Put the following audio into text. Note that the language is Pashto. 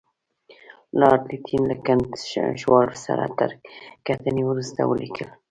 لارډ لیټن له کنټ شووالوف سره تر کتنې وروسته ولیکل.